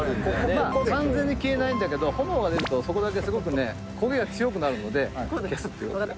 まあ完全に消えないんだけど炎が出るとそこだけすごくね焦げが強くなるので消すっていう。